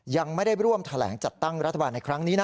ยังไม่ได้ร่วมแถลงจัดตั้งรัฐบาลในครั้งนี้นะ